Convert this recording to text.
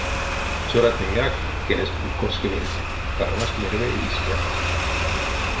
Цёратнеяк, келест бу коськевельть, кармасть мереме истя.